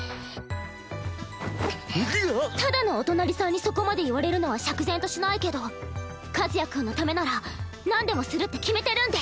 ただのお隣さんにそこまで言われるのは釈然としないけど和也君のためならなんでもするって決めてるんで。